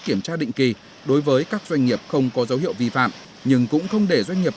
kiểm tra định kỳ đối với các doanh nghiệp không có dấu hiệu vi phạm nhưng cũng không để doanh nghiệp